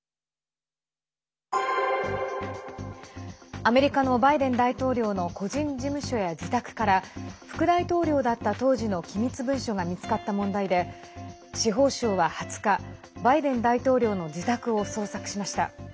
アメリカのバイデン大統領の個人事務所や自宅から副大統領だった当時の機密文書が見つかった問題で司法省は２０日バイデン大統領の自宅を捜索しました。